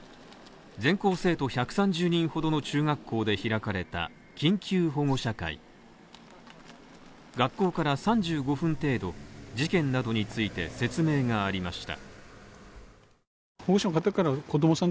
全校生徒１３０人ほどの中学校で開かれた緊急保護者会学校から３５分程度事件などについて説明がありました。